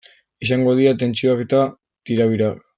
Izango dira tentsioak eta tirabirak.